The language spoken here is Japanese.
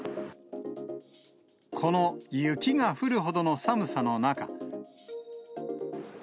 この雪が降るほどの寒さの中。